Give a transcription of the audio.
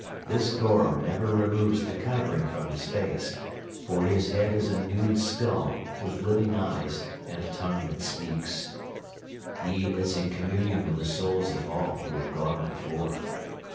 This Goro never removes the covering from his face, for his head is a nude skull with living eyes and a tongue that speaks. He is in communion with the souls of all who have gone before.